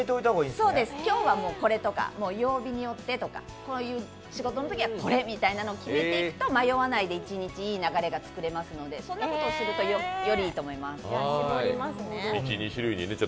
今日はこれとか、曜日によってとか、こういう仕事の時はこれみたいな感じに決めるといい流れが作れますので、そんなことをするとよりいいと思います。